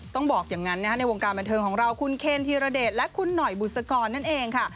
บอกอย่างนั้นในวงการบันเทิงของเราคุณเคนธีรเดชและคุณหน่อยบุษกรนั่นเองค่ะ